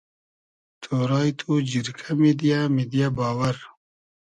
تۉرایی تو جورکۂ میدیۂ میدیۂ باوئر